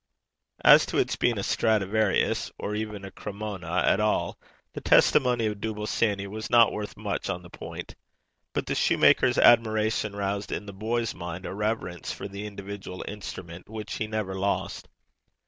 As to its being a Stradivarius, or even a Cremona at all, the testimony of Dooble Sanny was not worth much on the point. But the shoemaker's admiration roused in the boy's mind a reverence for the individual instrument which he never lost.